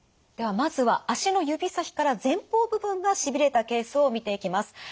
ではまずは足の指先から前方部分がしびれたケースを見ていきます。